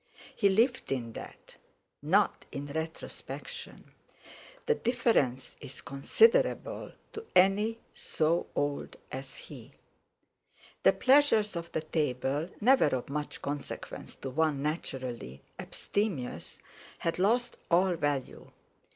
He lived in that, not in retrospection; the difference is considerable to any so old as he. The pleasures of the table, never of much consequence to one naturally abstemious, had lost all value.